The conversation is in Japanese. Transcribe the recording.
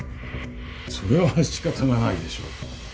それはしかたがないでしょう。